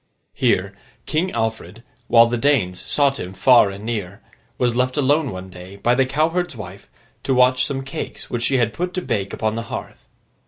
Here, King Alfred, while the Danes sought him far and near, was left alone one day, by the cowherd's wife, to watch some cakes which she put to bake upon the hearth.